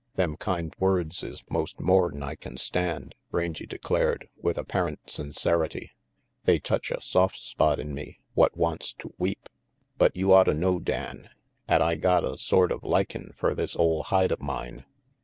"Them kind words is most more'n I can stand," Rangy declared, with apparent sincerity. "They touch a soft spot in me what wants to weep. But you otta know, Dan, 'at I got a s<ort of likin' fer this ole hide of mine.